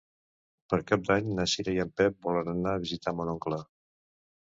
Per Cap d'Any na Cira i en Pep volen anar a visitar mon oncle.